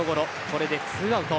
これでツーアウト。